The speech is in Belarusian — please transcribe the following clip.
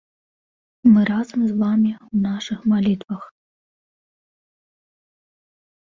Мы разам з вамі ў нашых малітвах!